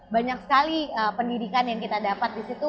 banyak sekali pendidikan yang kita dapat disitu